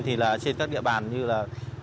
trên các địa bàn như là